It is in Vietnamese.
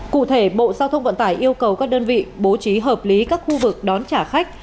cụ thể bộ giao thông vận tải yêu cầu các đơn vị bố trí hợp lý các khu vực đón trả khách